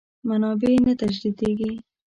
منابع نه تجدیدېږي.